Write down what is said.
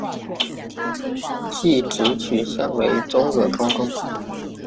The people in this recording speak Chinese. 技职取向为综合高中。